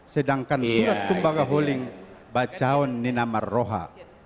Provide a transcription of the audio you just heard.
sedangkan surat tumbaga holing bacaun nina marroha